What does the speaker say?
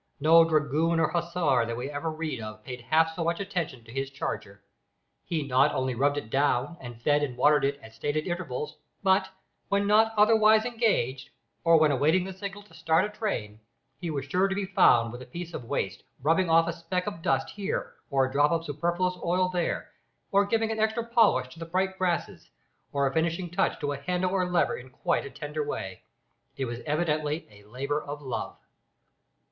No dragoon or hussar that we ever read of paid half so much attention to his charger. He not only rubbed it down, and fed and watered it at stated intervals, but, when not otherwise engaged, or when awaiting the signal to start a train, he was sure to be found with a piece of waste rubbing off a speck of dust here or a drop of superfluous oil there, or giving an extra polish to the bright brasses, or a finishing touch to a handle or lever in quite a tender way. It was evidently a labour of love!